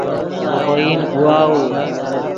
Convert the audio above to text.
ڤے خوئن گواؤو